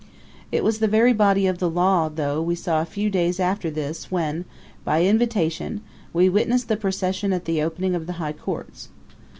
It was the very body of the law, though, we saw a few days after this when by invitation we witnessed the procession at the opening of the high courts.